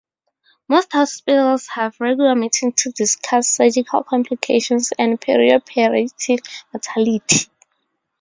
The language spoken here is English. Most hospitals have regular meetings to discuss surgical complications and perioperative mortality.